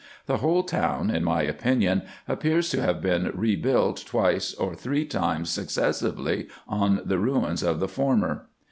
The whole town, in my opinion, appears to have been rebuilt twice or three times suc cessively on the ruins of the former.